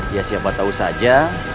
ya siapa tahu saja